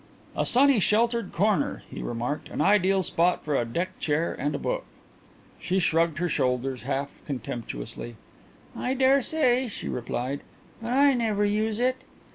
"A sunny, sheltered corner," he remarked. "An ideal spot for a deck chair and a book." She shrugged her shoulders half contemptuously. "I dare say," she replied, "but I never use it."